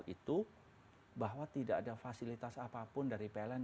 itu bahwa tidak ada fasilitas apapun dari pln